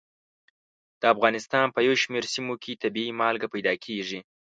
د افغانستان په یو شمېر سیمو کې طبیعي مالګه پیدا کېږي.